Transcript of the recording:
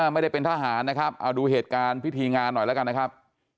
ไม่ได้เป็นทหารนะครับเอาดูเหตุการณ์พิธีงานหน่อยแล้วกันนะครับ